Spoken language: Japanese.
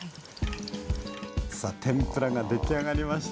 さあ天ぷらができあがりました。